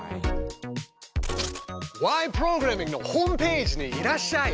プログラミング」のホームページにいらっしゃい！